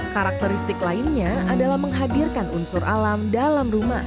karakteristik lainnya adalah menghadirkan unsur alam dalam rumah